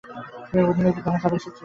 তিনি প্রতিনিধি দলের সদস্য ছিলেন।